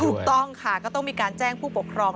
ถูกต้องค่ะก็ต้องมีการแจ้งผู้ปกครอง